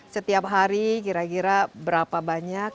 setiap hari kira kira berapa banyak